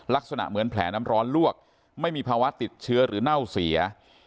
ลักษณะเหมือนแผลน้ำร้อนลวกไม่มีภาวะติดเชื้อหรือเน่าเสีย